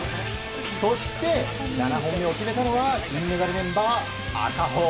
そして７本目を決めたのは銀メダルメンバー、赤穂。